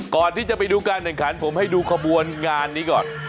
ก่อนที่จะไปดูการแข่งขันผมให้ดูขบวนงานนี้ก่อน